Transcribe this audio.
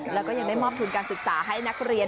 แล้วก็ยังได้มอบทุนการศึกษาให้นักเรียน